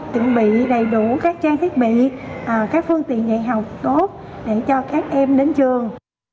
chuẩn bị đầy đủ các trang thiết bị các phương tiện dạy học tốt để cho các em đến trường